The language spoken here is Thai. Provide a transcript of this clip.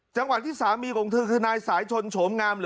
จังหวัดที่สามีของเธอคือนายสายชนโฉมงามหรือ